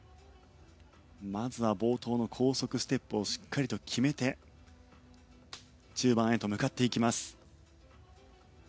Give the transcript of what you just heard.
まずは冒頭の高速ステップをしっかりと決めて中盤へと向かっていきます。